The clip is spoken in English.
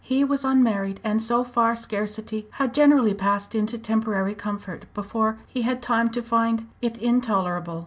He was unmarried, and so far scarcity had generally passed into temporary comfort before he had time to find it intolerable.